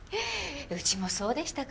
うちもそうでしたから。